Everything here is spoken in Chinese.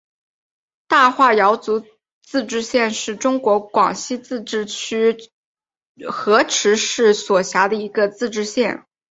大化瑶族自治县是中国广西壮族自治区河池市所辖的一个自治县。